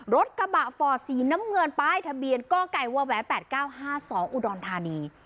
รถกระบะฟอร์ดสีน้ำเงินป้ายทะเบียนกไก่ว๘๙๕๒อุดรธานี